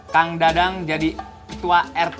kang dadang jadi ketua rt